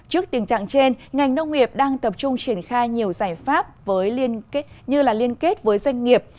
trước tình trạng trên ngành nông nghiệp đang tập trung triển khai nhiều giải pháp như liên kết với doanh nghiệp